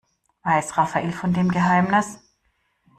Weiß Rafael von dem Geheimnis?